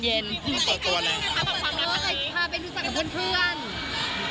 ตัวตัวอะไร